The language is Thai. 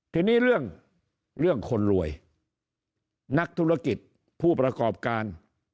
ทีนี้เรื่องเรื่องคนรวยนักธุรกิจผู้ประกอบการ